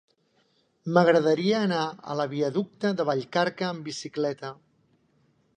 M'agradaria anar a la viaducte de Vallcarca amb bicicleta.